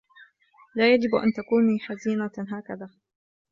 لا يجب أن تكونِ حزنة هكذا.